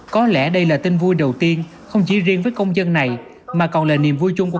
có lẽ đây là tin vui đầu tiên không chỉ riêng với công dân này mà còn là niềm vui chung của